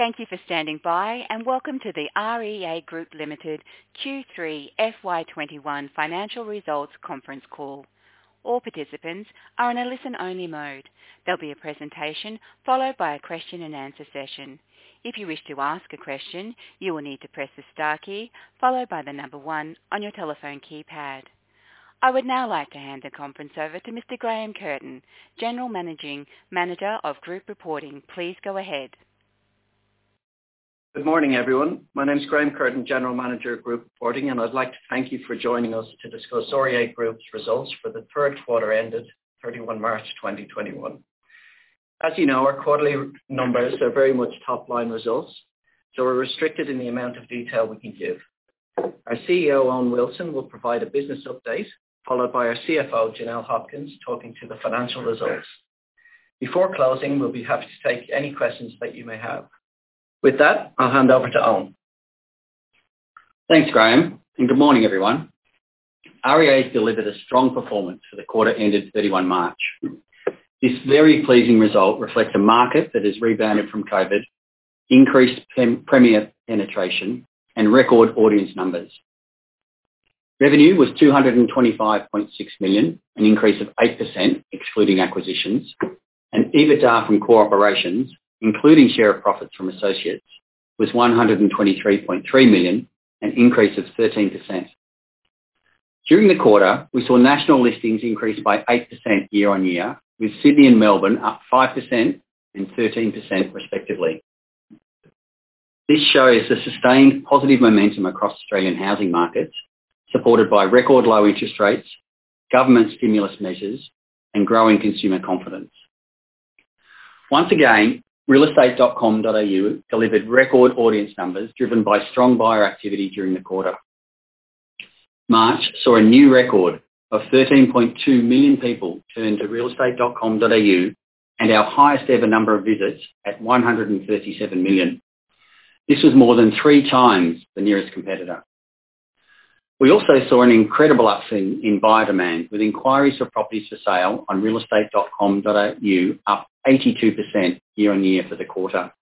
Thank you for standing by. Welcome to the REA Group Limited Q3 FY 2021 financial results conference call. All participants are in a listen-only mode. There'll be a presentation, followed by a question-and-answer session. If you wish to ask a question, you will need to press the star key, followed by the number one on your telephone keypad. I would now like to hand the conference over to Mr. Graham Curtin, General Manager of Group Finance. Please go ahead. Good morning, everyone. My name's Graham Curtin, General Manager Group Reporting, and I'd like to thank you for joining us to discuss REA Group's results for the third quarter ended 31 March 2021. As you know, our quarterly numbers are very much top-line results, so we're restricted in the amount of detail we can give. Our CEO, Owen Wilson, will provide a business update, followed by our CFO, Janelle Hopkins, talking to the financial results. Before closing, we'll be happy to take any questions that you may have. With that, I'll hand over to Owen. Thanks, Graham. Good morning, everyone. REA's delivered a strong performance for the quarter ended 31 March. This very pleasing result reflects a market that has rebounded from COVID, increased Premiere penetration, and record audience numbers. Revenue was 225.6 million, an increase of 8% excluding acquisitions. EBITDA from core operations, including share of profits from associates, was 123.3 million, an increase of 13%. During the quarter, we saw national listings increase by 8% year-on-year, with Sydney and Melbourne up 5% and 13% respectively. This shows the sustained positive momentum across Australian housing markets, supported by record low interest rates, government stimulus measures, and growing consumer confidence. Once again, realestate.com.au delivered record audience numbers driven by strong buyer activity during the quarter. March saw a new record of 13.2 million people turn to realestate.com.au and our highest-ever number of visits at 137 million. This was more than 3x the nearest competitor. We also saw an incredible upswing in buyer demand, with inquiries for properties for sale on realestate.com.au up 82% year-on-year for the quarter.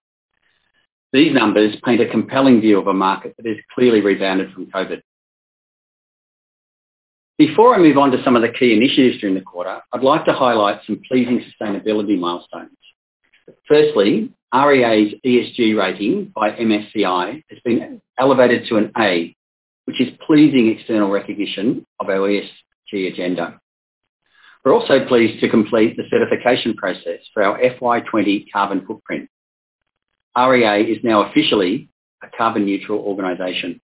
These numbers paint a compelling view of a market that has clearly rebounded from COVID. Before I move on to some of the key initiatives during the quarter, I'd like to highlight some pleasing sustainability milestones. Firstly, REA's ESG rating by MSCI has been elevated to an A, which is pleasing external recognition of our ESG agenda. We're also pleased to complete the certification process for our FY 2020 carbon footprint. REA is now officially a carbon neutral organization.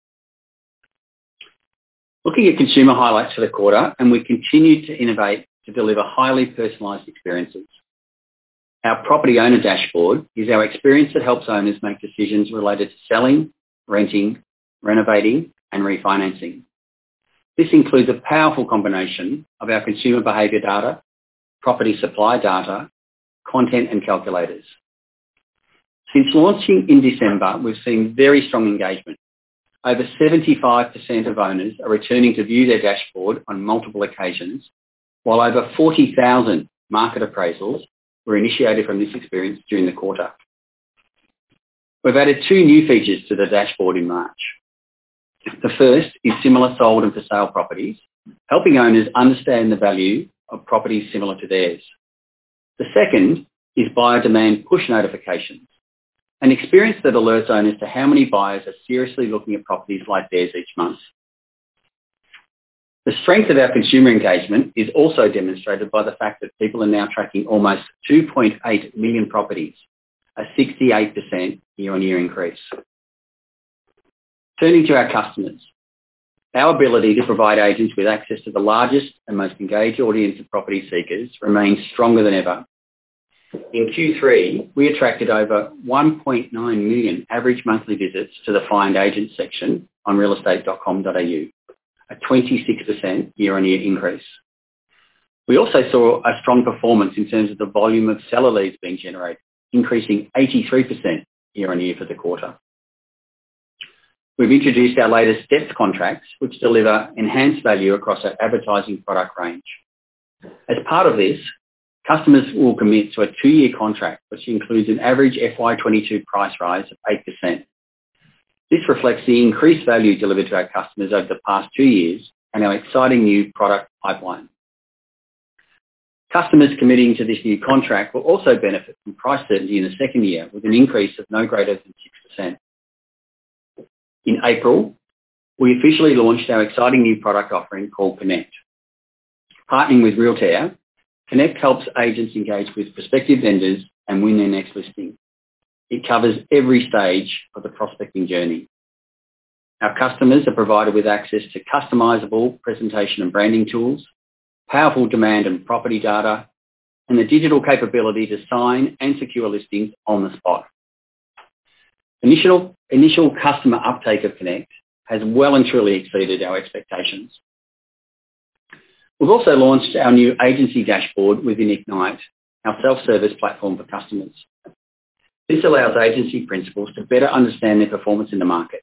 Looking at consumer highlights for the quarter, we continue to innovate to deliver highly personalized experiences. Our property owner dashboard is our experience that helps owners make decisions related to selling, renting, renovating, and refinancing. This includes a powerful combination of our consumer behavior data, property supply data, content, and calculators. Since launching in December, we've seen very strong engagement. Over 75% of owners are returning to view their dashboard on multiple occasions, while over 40,000 market appraisals were initiated from this experience during the quarter. We've added two new features to the dashboard in March. The first is similar sold and for sale properties, helping owners understand the value of properties similar to theirs. The second is buyer demand push notifications, an experience that alerts owners to how many buyers are seriously looking at properties like theirs each month. The strength of our consumer engagement is also demonstrated by the fact that people are now tracking almost 2.8 million properties, a 68% year-on-year increase. Turning to our customers, our ability to provide agents with access to the largest and most engaged audience of property seekers remains stronger than ever. In Q3, we attracted over 1.9 million average monthly visits to the find agent section on realestate.com.au, a 26% year-on-year increase. We also saw a strong performance in terms of the volume of seller leads being generated, increasing 83% year-on-year for the quarter. We've introduced our latest depth contracts, which deliver enhanced value across our advertising product range. As part of this, customers will commit to a two-year contract, which includes an average FY 2022 price rise of 8%. This reflects the increased value delivered to our customers over the past two years and our exciting new product pipeline. Customers committing to this new contract will also benefit from price certainty in the second year, with an increase of no greater than 6%. In April, we officially launched our exciting new product offering called Connect. Partnering with Realtair, Connect helps agents engage with prospective vendors and win their next listing. It covers every stage of the prospecting journey. Our customers are provided with access to customizable presentation and branding tools, powerful demand and property data, and the digital capability to sign and secure listings on the spot. Initial customer uptake of Connect has well and truly exceeded our expectations. We've also launched our new agency dashboard within Ignite, our self-service platform for customers. This allows agency principals to better understand their performance in the market.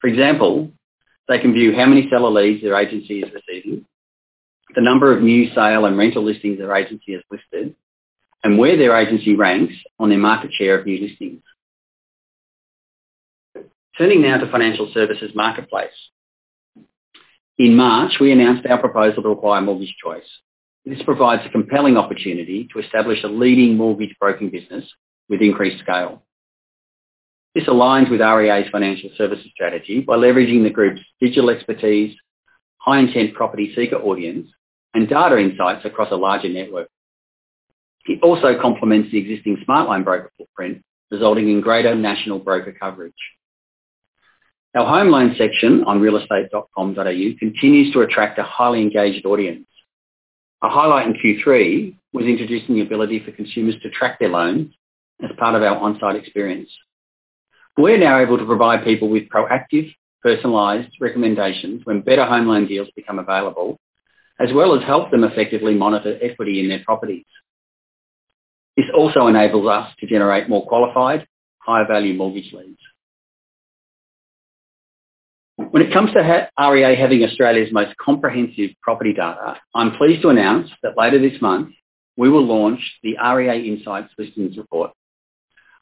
For example, they can view how many seller leads their agency is receiving, the number of new sale and rental listings their agency has listed, and where their agency ranks on their market share of new listings. Turning now to financial services marketplace. In March, we announced our proposal to acquire Mortgage Choice. This provides a compelling opportunity to establish a leading mortgage broking business with increased scale. This aligns with REA's financial services strategy by leveraging the group's digital expertise, high intent property seeker audience, and data insights across a larger network. It also complements the existing Smartline broker footprint, resulting in greater national broker coverage. Our home loan section on realestate.com.au continues to attract a highly engaged audience. A highlight in Q3 was introducing the ability for consumers to track their loan as part of our on-site experience. We're now able to provide people with proactive, personalized recommendations when better home loan deals become available, as well as help them effectively monitor equity in their properties. This also enables us to generate more qualified, higher value mortgage leads. When it comes to REA having Australia's most comprehensive property data, I'm pleased to announce that later this month, we will launch the REA Group Listings Report.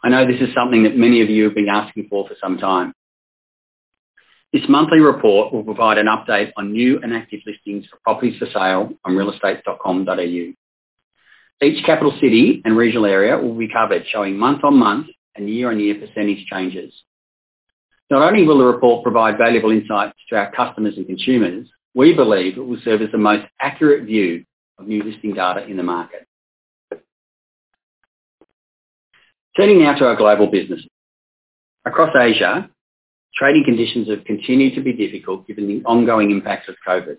I know this is something that many of you have been asking for some time. This monthly report will provide an update on new and active listings for properties for sale on realestate.com.au. Each capital city and regional area will be covered, showing month-on-month and year-on-year percentage changes. Not only will the report provide valuable insights to our customers and consumers, we believe it will serve as the most accurate view of new listing data in the market. Turning now to our global business. Across Asia, trading conditions have continued to be difficult given the ongoing impacts of COVID.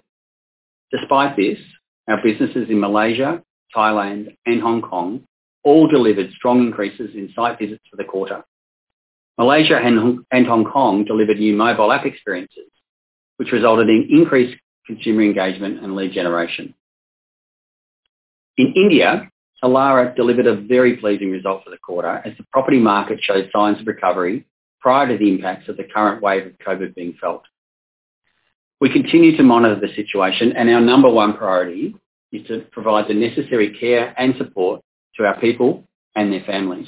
Despite this, our businesses in Malaysia, Thailand, and Hong Kong all delivered strong increases in site visits for the quarter. Malaysia and Hong Kong delivered new mobile app experiences, which resulted in increased consumer engagement and lead generation. In India, Elara delivered a very pleasing result for the quarter as the property market showed signs of recovery prior to the impacts of the current wave of COVID being felt. We continue to monitor the situation, and our number one priority is to provide the necessary care and support to our people and their families.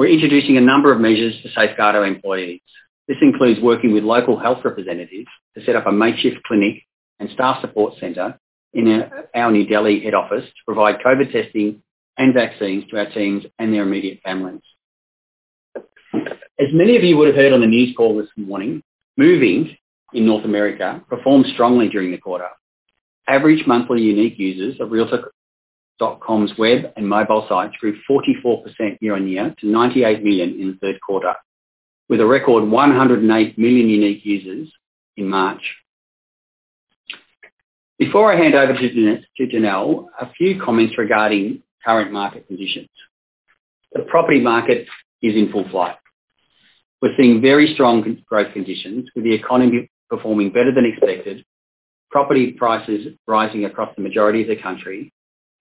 We're introducing a number of measures to safeguard our employees. This includes working with local health representatives to set up a makeshift clinic and staff support center in our New Delhi head office to provide COVID testing and vaccines to our teams and their immediate families. As many of you would have heard on the news call this morning, Move Inc in North America performed strongly during the quarter. Average monthly unique users of realtor.com's web and mobile sites grew 44% year-on-year to 98 million in the third quarter, with a record 108 million unique users in March. Before I hand over to Janelle, a few comments regarding current market conditions. The property market is in full flight. We're seeing very strong growth conditions, with the economy performing better than expected, property prices rising across the majority of the country,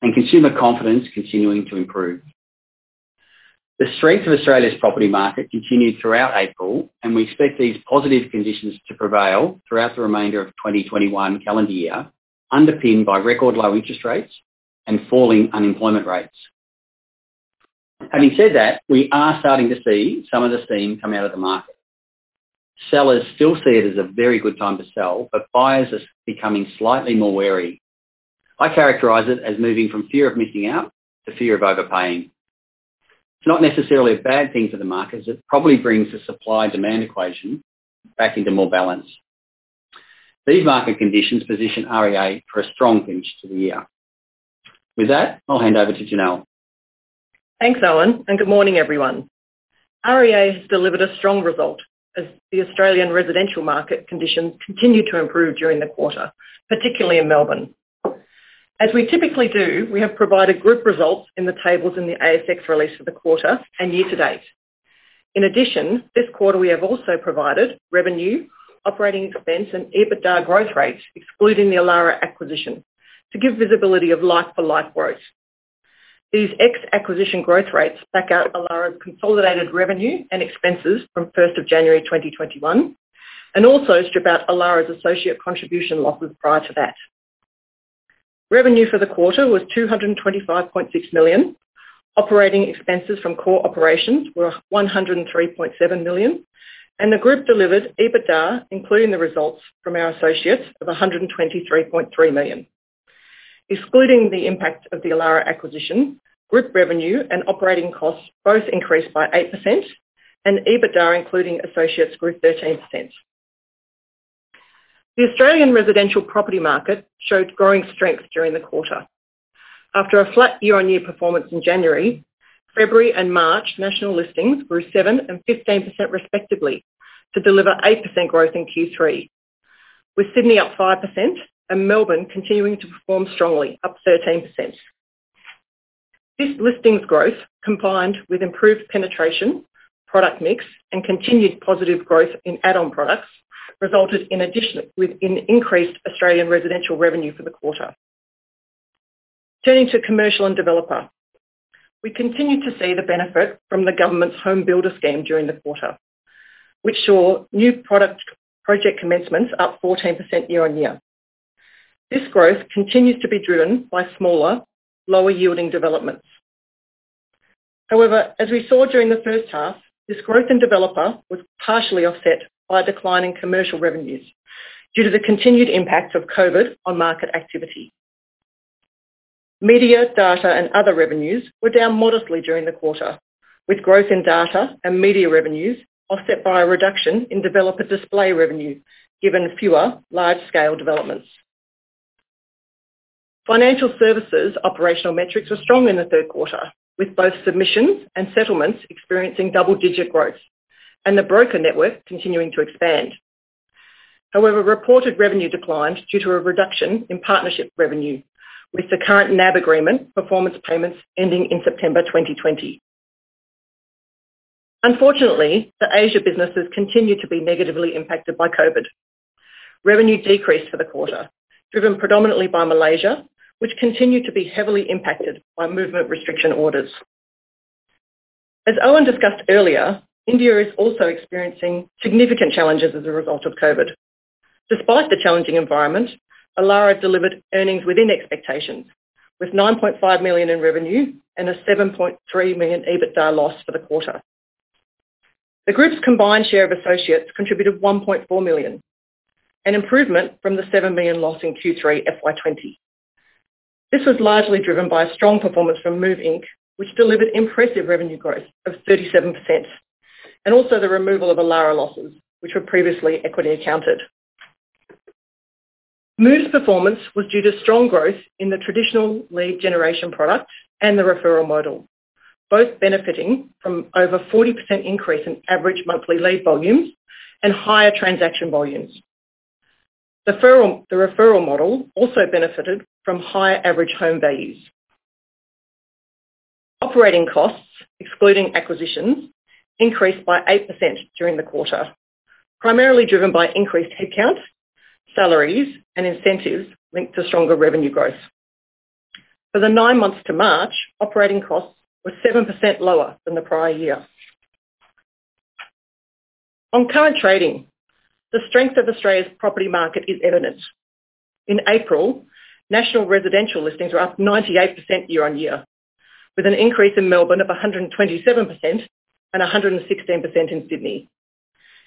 and consumer confidence continuing to improve. The strength of Australia's property market continued throughout April. We expect these positive conditions to prevail throughout the remainder of 2021 calendar year, underpinned by record low interest rates and falling unemployment rates. Having said that, we are starting to see some of the steam come out of the market. Sellers still see it as a very good time to sell. Buyers are becoming slightly more wary. I characterize it as moving from fear of missing out to fear of overpaying. It's not necessarily a bad thing for the market, as it probably brings the supply-demand equation back into more balance. These market conditions position REA for a strong finish to the year. With that, I'll hand over to Janelle. Thanks, Owen, and good morning, everyone. REA has delivered a strong result as the Australian residential market conditions continued to improve during the quarter, particularly in Melbourne. As we typically do, we have provided group results in the tables in the ASX release for the quarter and year to date. In addition, this quarter, we have also provided revenue, operating expense, and EBITDA growth rates excluding the Elara acquisition to give visibility of like-for-like growth. These ex-acquisition growth rates back out Elara's consolidated revenue and expenses from 1st of January 2021, and also strip out Elara's associate contribution losses prior to that. Revenue for the quarter was 225.6 million. Operating expenses from core operations were 103.7 million, and the group delivered EBITDA, including the results from our associates of 123.3 million. Excluding the impact of the Elara acquisition, group revenue and operating costs both increased by 8%, and EBITDA, including associates, grew 13%. The Australian residential property market showed growing strength during the quarter. After a flat year-on-year performance in January, February and March national listings grew 7% and 15% respectively to deliver 8% growth in Q3, with Sydney up 5% and Melbourne continuing to perform strongly, up 13%. This listings growth, combined with improved penetration, product mix, and continued positive growth in add-on products, resulted in increased Australian residential revenue for the quarter. Turning to commercial and developer. We continue to see the benefit from the government's HomeBuilder scheme during the quarter, which saw new project commencements up 14% year-on-year. This growth continues to be driven by smaller, lower-yielding developments. As we saw during the first half, this growth in developer was partially offset by a decline in commercial revenues due to the continued impact of COVID on market activity. Media, data, and other revenues were down modestly during the quarter, with growth in data and media revenues offset by a reduction in developer display revenue, given fewer large-scale developments. Financial services operational metrics were strong in the third quarter, with both submissions and settlements experiencing double-digit growth, and the broker network continuing to expand. Reported revenue declined due to a reduction in partnership revenue, with the current NAB agreement performance payments ending in September 2020. Unfortunately, the Asia businesses continue to be negatively impacted by COVID. Revenue decreased for the quarter, driven predominantly by Malaysia, which continued to be heavily impacted by movement restriction orders. As Owen discussed earlier, India is also experiencing significant challenges as a result of COVID. Despite the challenging environment, Elara delivered earnings within expectations, with 9.5 million in revenue and an 7.3 million EBITDA loss for the quarter. The group's combined share of associates contributed 1.4 million, an improvement from the 7 million loss in Q3 FY 2020. This was largely driven by strong performance from Move, Inc, which delivered impressive revenue growth of 37%, and also the removal of Elara losses, which were previously equity accounted. Move's performance was due to strong growth in the traditional lead generation product and the referral model, both benefiting from over 40% increase in average monthly lead volumes and higher transaction volumes. The referral model also benefited from higher average home values. Operating costs, excluding acquisitions, increased by 8% during the quarter, primarily driven by increased headcounts, salaries, and incentives linked to stronger revenue growth. For the nine months to March, operating costs were 7% lower than the prior year. On current trading, the strength of Australia's property market is evident. In April, national residential listings were up 98% year-on-year, with an increase in Melbourne of 127% and 116% in Sydney.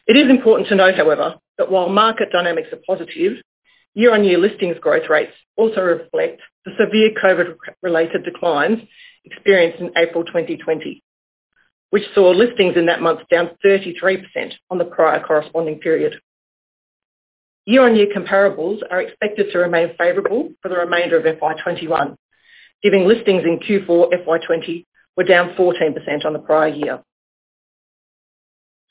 It is important to note, however, that while market dynamics are positive, year-on-year listings growth rates also reflect the severe COVID-related declines experienced in April 2020, which saw listings in that month down 33% on the prior corresponding period. Year-on-year comparables are expected to remain favorable for the remainder of FY 2021, giving listings in Q4 FY 2020 were down 14% on the prior year.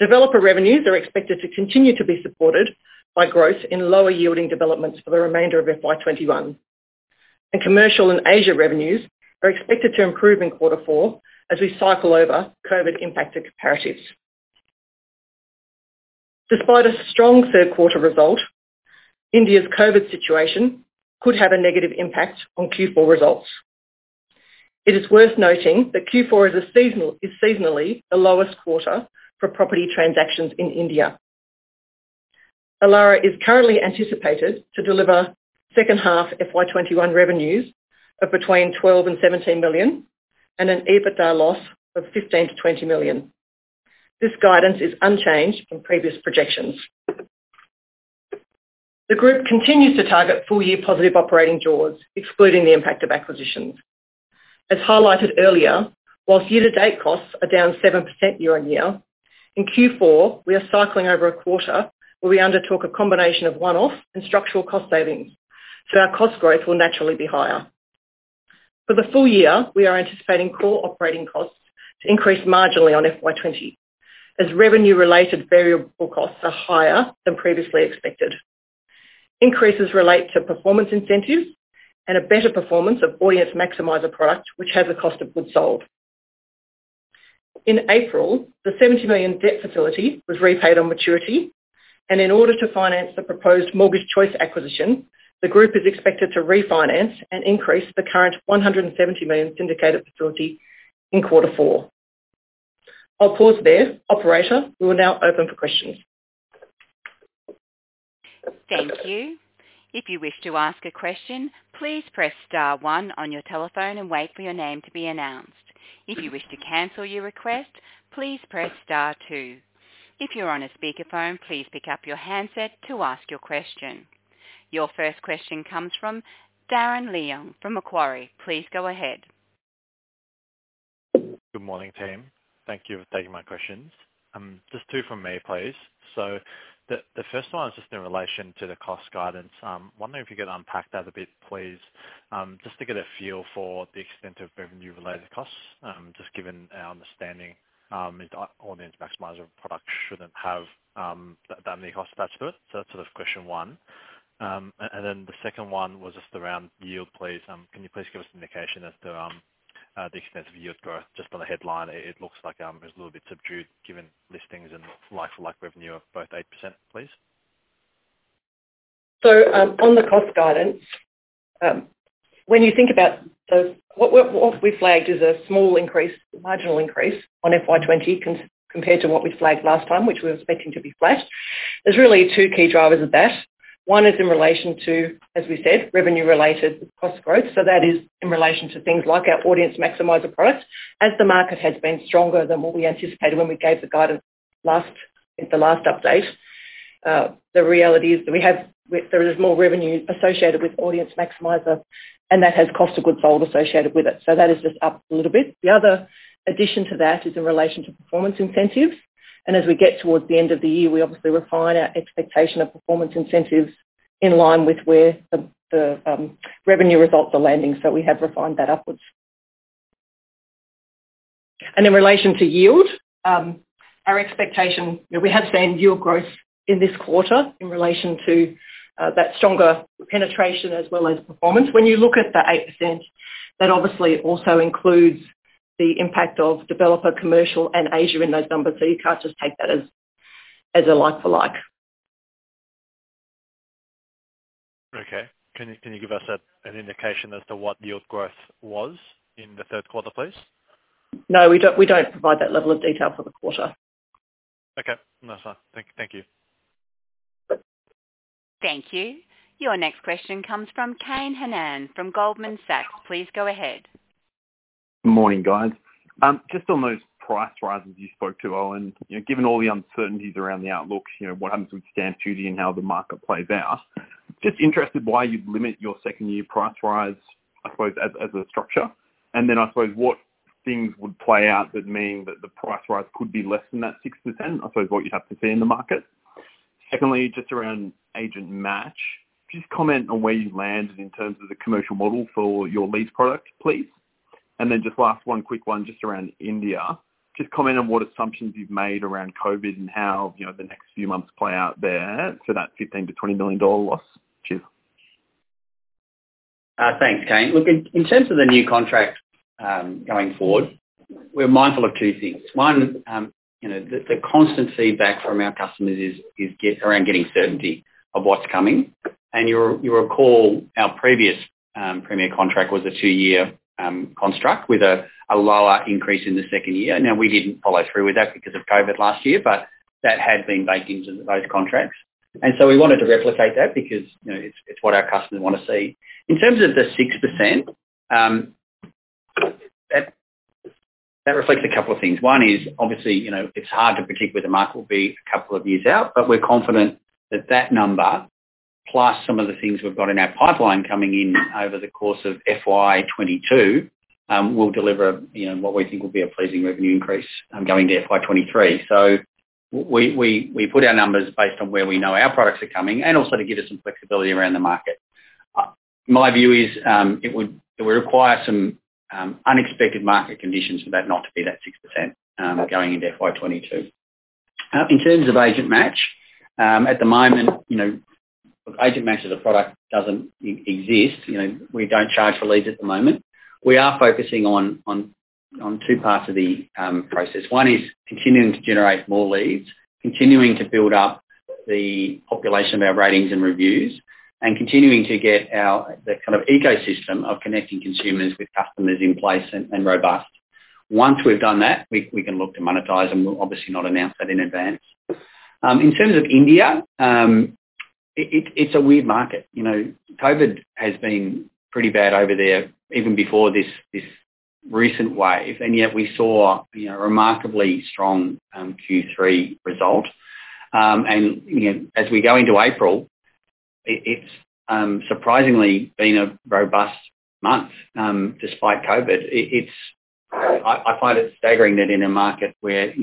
Developer revenues are expected to continue to be supported by growth in lower-yielding developments for the remainder of FY 2021. Commercial and Asia revenues are expected to improve in quarter four as we cycle over COVID-impacted comparatives. Despite a strong third quarter result, India's COVID situation could have a negative impact on Q4 results. It is worth noting that Q4 is seasonally the lowest quarter for property transactions in India. Elara is currently anticipated to deliver second half FY 2021 revenues of between 12 million and 17 million, and an EBITDA loss of 15 million to 20 million. This guidance is unchanged from previous projections. The group continues to target full-year positive operating jaws, excluding the impact of acquisitions. As highlighted earlier, whilst year-to-date costs are down 7% year-on-year, in Q4, we are cycling over a quarter where we undertook a combination of one-off and structural cost savings, so our cost growth will naturally be higher. For the full year, we are anticipating core operating costs to increase marginally on FY 2020, as revenue-related variable costs are higher than previously expected. Increases relate to performance incentives and a better performance of Audience Maximiser product, which has a cost of goods sold. In April, the 70 million debt facility was repaid on maturity, and in order to finance the proposed Mortgage Choice acquisition, the group is expected to refinance and increase the current 170 million syndicated facility in quarter four. I'll pause there. Operator, we will now open for questions. Thank you. Your first question comes from Darren Leung from Macquarie. Please go ahead. Good morning, team. Thank you for taking my questions. Just two from me, please. The first one is just in relation to the cost guidance. Wondering if you could unpack that a bit, please, just to get a feel for the extent of revenue-related costs, just given our understanding Audience Maximiser products shouldn't have that many costs attached to it. That's question one. Then the second one was just around yield, please. Can you please give us indication as to the extent of yield growth just by the headline? It looks like it's a little bit subdued given listings and like-for-like revenue of both 8%, please. On the cost guidance, what we flagged is a small increase, a marginal increase on FY 2020 compared to what we flagged last time, which we're expecting to be flat. There's really two key drivers of that. One is in relation to, as we said, revenue-related cost growth. That is in relation to things like our Audience Maximiser product. As the market has been stronger than what we anticipated when we gave the guidance at the last update, the reality is that there is more revenue associated with Audience Maximiser, and that has cost of goods sold associated with it. That is just up a little bit. The other addition to that is in relation to performance incentives. As we get towards the end of the year, we obviously refine our expectation of performance incentives in line with where the revenue results are landing. We have refined that upwards. In relation to yield, our expectation, we have seen yield growth in this quarter in relation to that stronger penetration as well as performance. When you look at the 8%, that obviously also includes the impact of developer commercial and Asia in those numbers, so you can't just take that as a like for like. Okay. Can you give us an indication as to what yield growth was in the third quarter, please? No, we don't provide that level of detail for the quarter. Okay. No, that's fine. Thank you. Thank you. Your next question comes from Kane Hannan from Goldman Sachs. Please go ahead. Good morning, guys. Just on those price rises you spoke to, Owen, given all the uncertainties around the outlook, what happens with stamp duty and how the market plays out, just interested why you'd limit your second year price rise, I suppose, as a structure. I suppose, what things would play out that mean that the price rise could be less than that 6%? I suppose, what you'd have to see in the market. Secondly, just around Agent Match, could you just comment on where you've landed in terms of the commercial model for your leads product, please? Just last one, quick one, just around India. Just comment on what assumptions you've made around COVID and how the next few months play out there for that 15 million-20 million dollar loss. Cheers. Thanks, Kane. Look, in terms of the new contract going forward, we're mindful of two things. One, the constant feedback from our customers is around getting certainty of what's coming. You'll recall our previous Premiere All contract was a two-year construct with a lower increase in the second year. Now, we didn't follow through with that because of COVID last year, that had been baked into both contracts. We wanted to replicate that because it's what our customers want to see. In terms of the 6%, that reflects a couple of things. One is, obviously, it's hard to predict where the market will be a couple of years out, we're confident that that number, plus some of the things we've got in our pipeline coming in over the course of FY 2022, will deliver what we think will be a pleasing revenue increase going to FY 2023. We put our numbers based on where we know our products are coming and also to give us some flexibility around the market. My view is it would require some unexpected market conditions for that not to be that 6% going into FY 2022. In terms of Agent Match, at the moment, Agent Match as a product doesn't exist. We don't charge for leads at the moment. We are focusing on two parts of the process. One is continuing to generate more leads, continuing to build up the population of our ratings and reviews, and continuing to get the kind of ecosystem of connecting consumers with customers in place and robust. Once we've done that, we can look to monetize, and we'll obviously not announce that in advance. In terms of India, it's a weird market. COVID has been pretty bad over there even before this recent wave, yet we saw remarkably strong Q3 results. As we go into April, it's surprisingly been a robust month despite COVID. I find it staggering that in a market where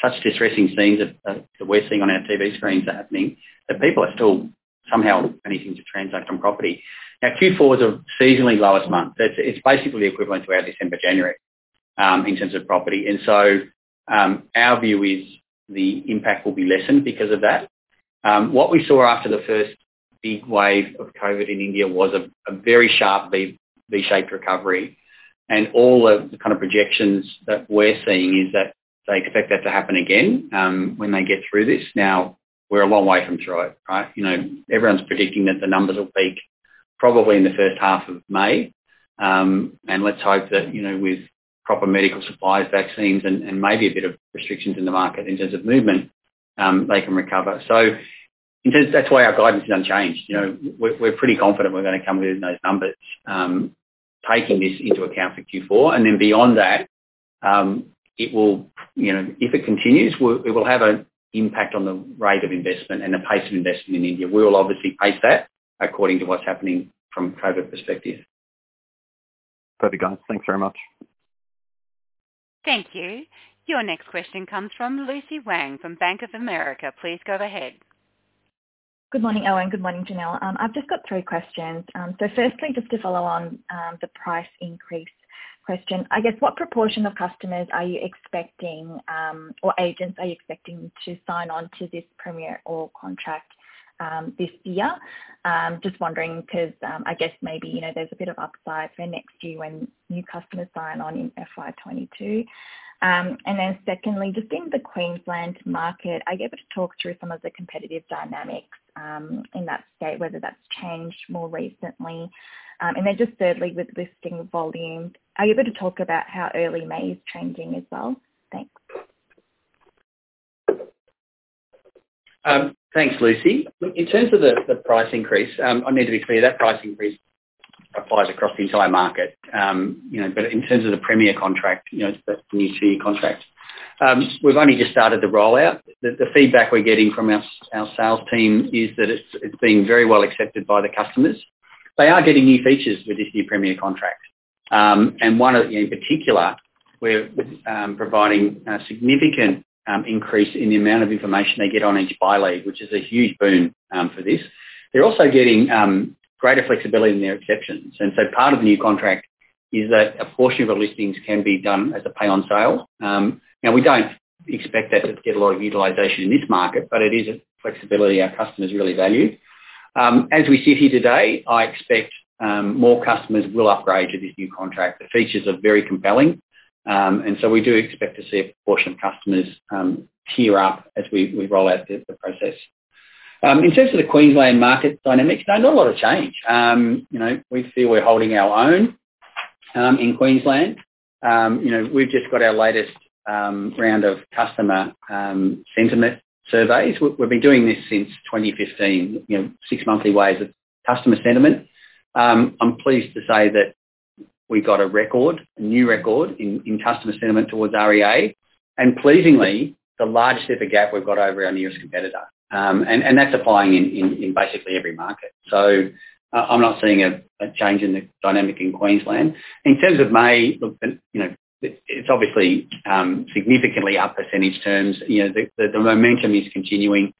such distressing scenes that we're seeing on our TV screens are happening, that people are still somehow managing to transact on property. Now, Q4 is a seasonally lowest month. It's basically equivalent to our December, January in terms of property. Our view is the impact will be lessened because of that. What we saw after the first big wave of COVID in India was a very sharp V-shaped recovery. All the kind of projections that we're seeing is that they expect that to happen again when they get through this. Now, we're a long way from through it. Everyone's predicting that the numbers will peak probably in the first half of May. Let's hope that with proper medical supplies, vaccines, and maybe a bit of restrictions in the market in terms of movement, they can recover. That's why our guidance is unchanged. We're pretty confident we're going to come within those numbers, taking this into account for Q4. Beyond that, if it continues, it will have an impact on the rate of investment and the pace of investment in India. We'll obviously pace that according to what's happening from a COVID perspective. Perfect, guys. Thanks very much. Thank you. Your next question comes from Lucy Huang from Bank of America. Please go ahead. Good morning, Owen. Good morning, Janelle. I've just got three questions. Firstly, just to follow on the price increase. Question. I guess what proportion of customers are you expecting, or agents are you expecting to sign on to this Premiere All contract this year? Just wondering because, I guess maybe, there's a bit of upside for next year when new customers sign on in FY 2022. Secondly, just in the Queensland market, are you able to talk through some of the competitive dynamics in that state, whether that's changed more recently? Thirdly, with listing volumes, are you able to talk about how early May is trending as well? Thanks. Thanks, Lucy. In terms of the price increase, I need to be clear, that price increase applies across the entire market. In terms of the Premiere contract, it's the new two-year contract. We've only just started the rollout. The feedback we're getting from our sales team is that it's being very well-accepted by the customers. They are getting new features with this new Premiere contract. In particular, we're providing a significant increase in the amount of information they get on each buy lead, which is a huge boon for this. They're also getting greater flexibility in their exceptions, part of the new contract is that a portion of the listings can be done as a pay on sale. We don't expect that to get a lot of utilization in this market, it is a flexibility our customers really value. As we sit here today, I expect more customers will upgrade to this new contract. The features are very compelling, and so we do expect to see a proportion of customers tier up as we roll out the process. In terms of the Queensland market dynamics, no, not a lot of change. We feel we're holding our own in Queensland. We've just got our latest round of customer sentiment surveys. We've been doing this since 2015, six monthly waves of customer sentiment. I'm pleased to say that we got a record, a new record in customer sentiment towards REA, and pleasingly, the largest ever gap we've got over our nearest competitor. That's applying in basically every market. I'm not seeing a change in the dynamic in Queensland. In terms of May, look, it's obviously significantly up percentage terms. The momentum is continuing.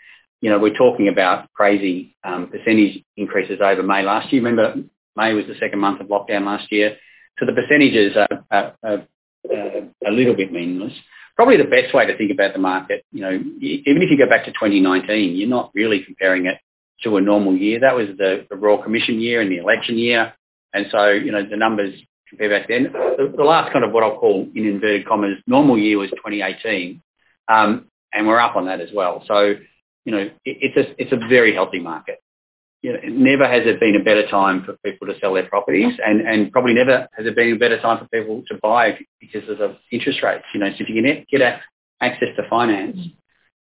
We're talking about crazy percentage increases over May last year. Remember, May was the second month of lockdown last year, so the percentages are a little bit meaningless. Probably the best way to think about the market, even if you go back to 2019, you're not really comparing it to a normal year. That was the Royal Commission year and the election year. The numbers compare back then. The last kind of what I'll call in inverted commas, normal year was 2018, and we're up on that as well. It's a very healthy market. Never has there been a better time for people to sell their properties and probably never has there been a better time for people to buy because of the interest rates. If you can get access to finance,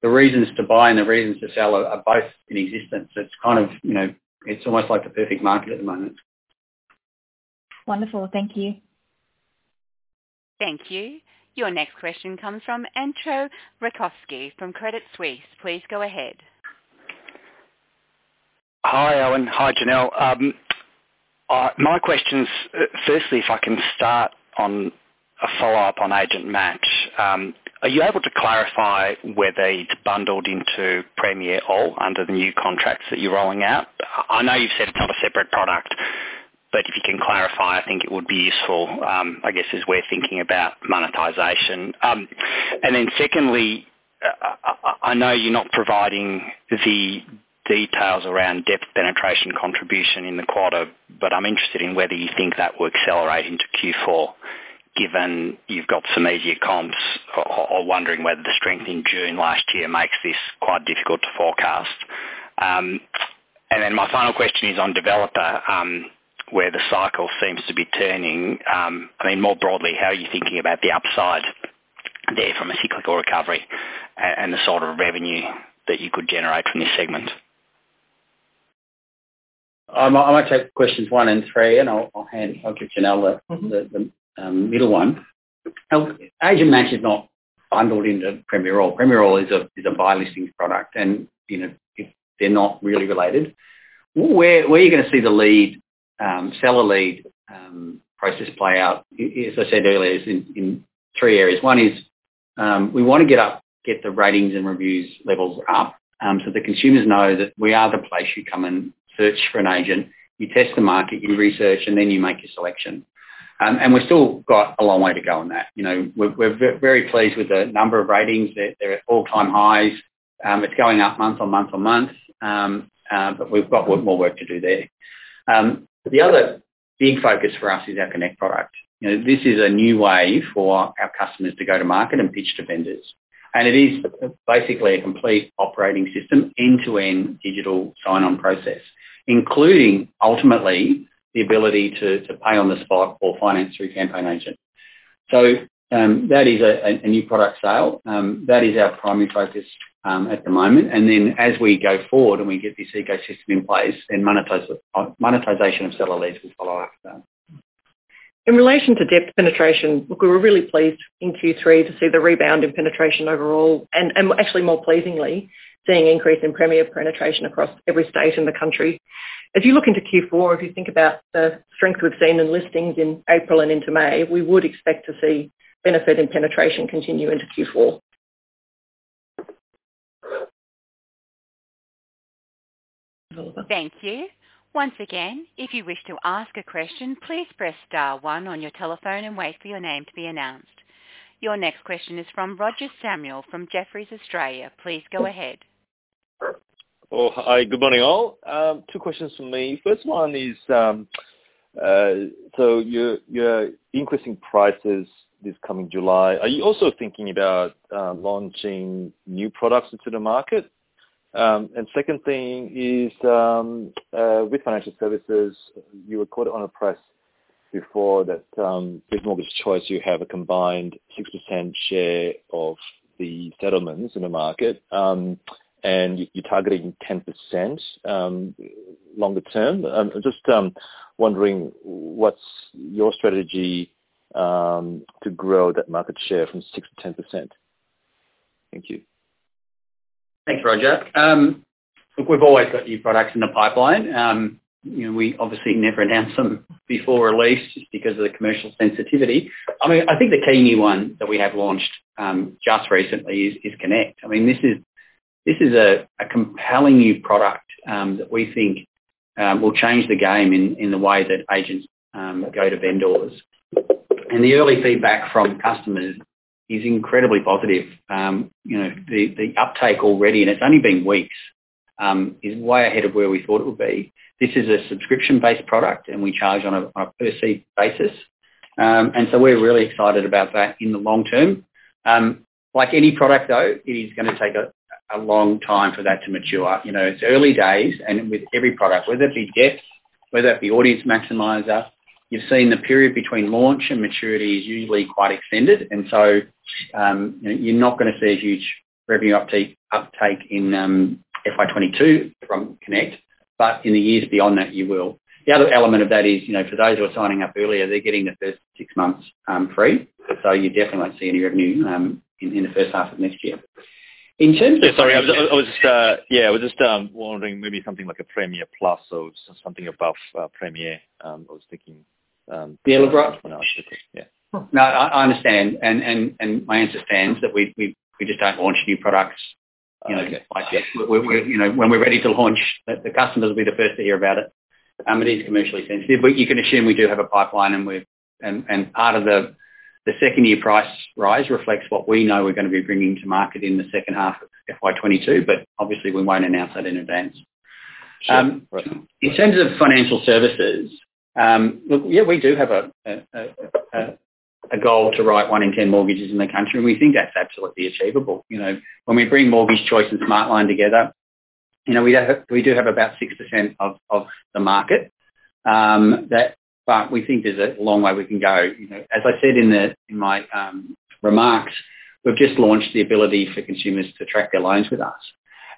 the reasons to buy and the reasons to sell are both in existence. It's almost like the perfect market at the moment. Wonderful. Thank you. Thank you. Your next question comes from Entcho Raykovski from Credit Suisse. Please go ahead. Hi Owen. Hi Janelle. My question's, firstly, if I can start on a follow-up on Agent Match. Are you able to clarify whether it's bundled into Premiere All under the new contracts that you're rolling out? I know you've said it's not a separate product, but if you can clarify, I think it would be useful, I guess, as we're thinking about monetization. Secondly, I know you're not providing the details around Depth penetration contribution in the quarter, but I'm interested in whether you think that will accelerate into Q4, given you've got some easier comps or wondering whether the strength in June last year makes this quite difficult to forecast. My final question is on Developer, where the cycle seems to be turning. More broadly, how are you thinking about the upside there from a cyclical recovery and the sort of revenue that you could generate from this segment? I might take questions one and three, and I'll give Janelle the middle one. Agent Match is not bundled into Premiere All. Premiere All is a buy listing product and they're not really related. Where you're going to see the seller lead process play out, as I said earlier, is in three areas. One is, we want to get the ratings and reviews levels up so the consumers know that we are the place you come and search for an agent. You test the market, you research, and then you make your selection. We've still got a long way to go on that. We're very pleased with the number of ratings. They're at all-time highs. It's going up month on month on month. We've got more work to do there. The other big focus for us is our Connect product. This is a new way for our customers to go to market and pitch to vendors, it is basically a complete operating system, end-to-end digital sign-on process, including, ultimately, the ability to pay on the spot or finance through CampaignAgent. That is a new product sale. That is our primary focus at the moment. As we go forward and we get this ecosystem in place, monetization of seller leads will follow after that. In relation to Depth penetration, look, we were really pleased in Q3 to see the rebound in penetration overall and, actually more pleasingly, seeing increase in Premiere penetration across every state in the country. As you look into Q4, if you think about the strength we've seen in listings in April and into May, we would expect to see benefit in penetration continue into Q4. Thank you. Once again if you wish to ask a question, please press star one on your telephone and wait for your name to be announced. Your next question is from Roger Samuel, from Jefferies Australia. Please go ahead. Hi. Good morning, all. Two questions from me. First one is, you're increasing prices this coming July. Are you also thinking about launching new products into the market? Second thing is, with financial services, you recorded on a press before that, with Mortgage Choice, you have a combined six% share of the settlements in the market, and you're targeting 10% longer term. Just wondering what's your strategy to grow that market share from six to 10%? Thank you. Thanks, Roger. Look, we've always got new products in the pipeline. We obviously never announce them before release just because of the commercial sensitivity. I think the key new one that we have launched just recently is Connect. This is a compelling new product that we think will change the game in the way that agents go to vendors. The early feedback from customers is incredibly positive. The uptake already, and it's only been weeks, is way ahead of where we thought it would be. This is a subscription-based product, and we charge on a per-seat basis. We're really excited about that in the long term. Like any product, though, it is going to take a long time for that to mature. It's early days, and with every product, whether it be Depth, whether it be Audience Maximiser, you've seen the period between launch and maturity is usually quite extended. You're not gonna see a huge revenue uptake in FY 2022 from Connect, but in the years beyond that, you will. The other element of that is, for those who are signing up earlier, they're getting the first six months free. You definitely won't see any revenue in the first half of next year. In terms of. Sorry. I was just wondering, maybe something like a Premiere Plus or something above Premiere, I was thinking. The other products? Yeah. No, I understand. My answer stands, that we just don't launch new products. Okay. When we're ready to launch. The customers will be the first to hear about it. It is commercially sensitive. You can assume we do have a pipeline, and part of the second-year price rise reflects what we know we're gonna be bringing to market in the second half of FY 2022, but obviously, we won't announce that in advance. Sure. In terms of financial services, look, we do have a goal to write one in 10 mortgages in the country, and we think that's absolutely achievable. When we bring Mortgage Choice and Smartline together, we do have about 6% of the market, but we think there's a long way we can go. As I said in my remarks, we've just launched the ability for consumers to track their loans with us.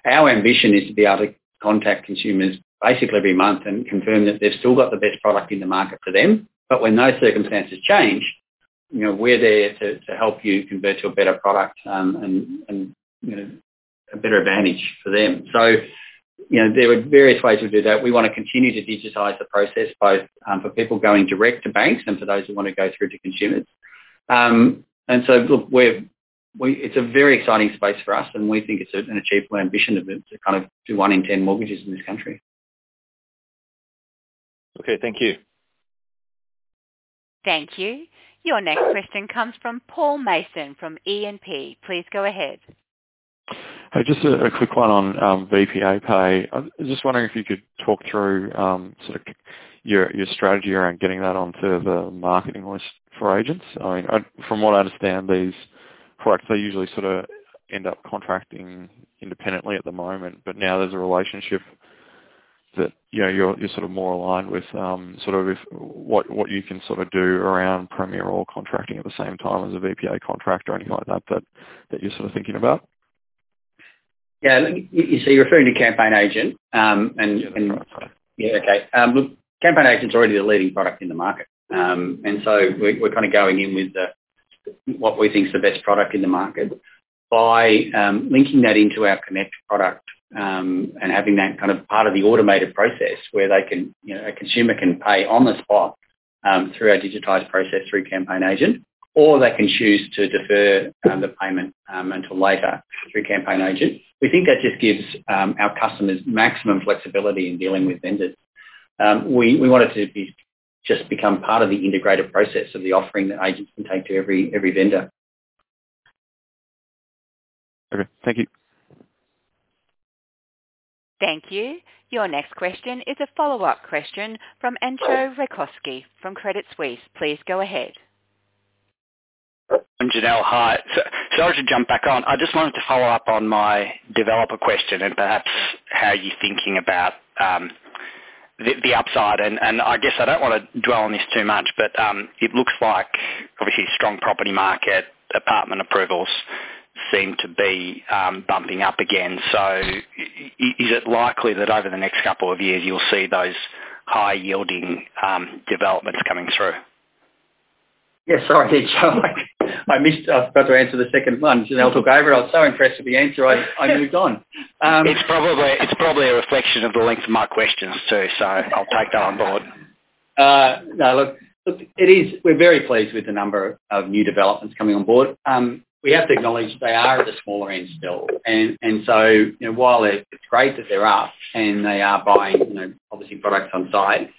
Our ambition is to be able to contact consumers basically every month and confirm that they've still got the best product in the market for them. When those circumstances change, we're there to help you convert to a better product and a better advantage for them. There are various ways we do that. We wanna continue to digitize the process, both for people going direct to banks and for those who want to go through to consumers. Look, it's a very exciting space for us, and we think it's an achievable ambition to do one in 10 mortgages in this country. Okay. Thank you. Thank you. Your next question comes from Paul Mason, from E&P. Please go ahead. Hey, just a quick one on VPApay. I'm just wondering if you could talk through your strategy around getting that onto the marketing list for agents. From what I understand, these products, they usually end up contracting independently at the moment. Now there's a relationship that you're more aligned with what you can do around Premiere All contracting at the same time as a VPA contract or anything like that you're thinking about. Yeah. You're referring to CampaignAgent? Yeah. Yeah, okay. Look, CampaignAgent's already the leading product in the market. We're going in with what we think is the best product in the market. By linking that into our Connect product, and having that part of the automated process where a consumer can pay on the spot, through our digitized process, through CampaignAgent, or they can choose to defer the payment until later through CampaignAgent. We think that just gives our customers maximum flexibility in dealing with vendors. We want it to just become part of the integrated process of the offering that agents can take to every vendor. Okay. Thank you. Thank you. Your next question is a follow-up question from Entcho Raykovski from Credit Suisse. Please go ahead. Janelle, hi. Sorry to jump back on. I just wanted to follow up on my developer question and perhaps how you're thinking about the upside. I guess I don't wanna dwell on this too much, but it looks like, obviously, strong property market, apartment approvals seem to be bumping up again. Is it likely that over the next couple of years, you'll see those high-yielding developments coming through? Yeah, sorry. I missed I was about to answer the second one. Janelle took over. I was so impressed with the answer, I moved on. It's probably a reflection of the length of my questions, too. I'll take that on board. Look, we're very pleased with the number of new developments coming on board. While it's great that they're up and they are buying, obviously, products on site,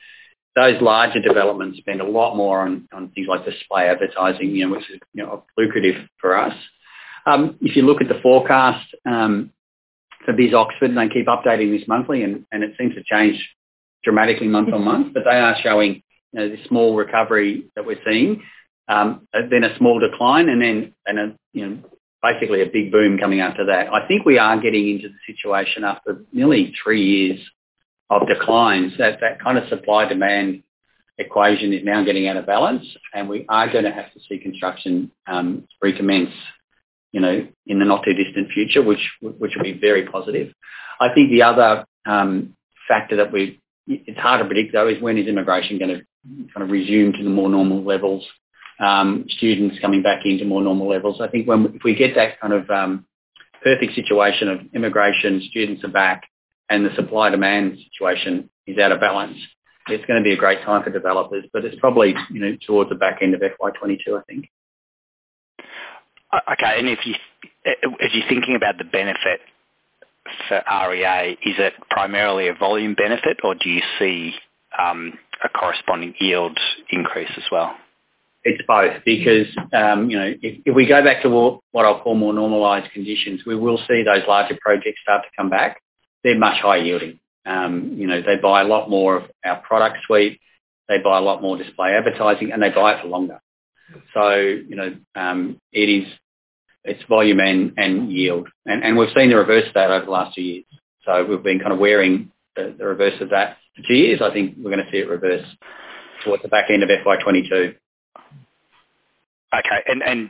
those larger developments spend a lot more on things like display advertising, which is lucrative for us. If you look at the forecast for BIS Oxford, and they keep updating this monthly, and it seems to change dramatically month on month, but they are showing the small recovery that we're seeing, then a small decline, and then basically a big boom coming after that. I think we are getting into the situation after nearly three years of declines, that that kind of supply-demand equation is now getting out of balance, and we are going to have to see construction recommence in the not-too-distant future, which will be very positive. I think the other factor that it's hard to predict, though, is when is immigration going to kind of resume to the more normal levels, students coming back into more normal levels. I think if we get that kind of perfect situation of immigration, students are back, and the supply-demand situation is out of balance, it's going to be a great time for developers. It's probably towards the back end of FY 2022, I think. Okay. As you're thinking about the benefit for REA, is it primarily a volume benefit, or do you see a corresponding yield increase as well? It's both because, if we go back to what I'll call more normalized conditions, we will see those larger projects start to come back. They're much higher yielding. They buy a lot more of our product suite, they buy a lot more display advertising, and they buy it for longer. It's volume and yield. We've seen the reverse of that over the last two years. We've been kind of wearing the reverse of that for two years. I think we're going to see it reverse towards the back end of FY 2022. Okay.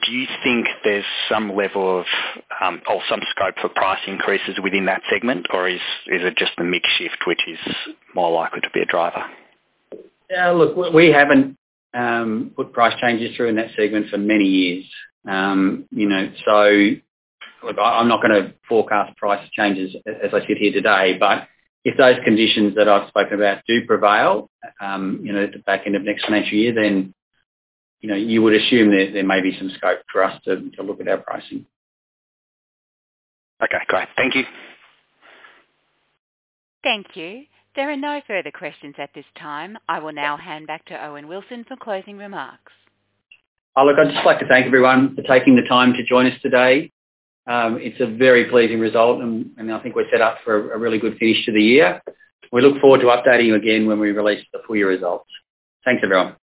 Do you think there's some level of, or some scope for price increases within that segment, or is it just the mix shift which is more likely to be a driver? We haven't put price changes through in that segment for many years. I'm not going to forecast price changes as I sit here today. If those conditions that I've spoken about do prevail at the back end of next financial year, then you would assume that there may be some scope for us to look at our pricing. Okay, great. Thank you. Thank you. There are no further questions at this time. I will now hand back to Owen Wilson for closing remarks. Look, I'd just like to thank everyone for taking the time to join us today. It's a very pleasing result, and I think we're set up for a really good finish to the year. We look forward to updating you again when we release the full year results. Thanks, everyone.